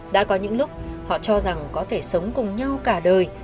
đã có những lúc họ cho rằng có thể sống cùng nhau cả đời